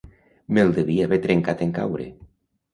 Me'l devia haver trencat en caure